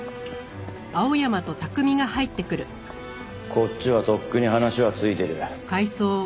こっちはとっくに話はついてる。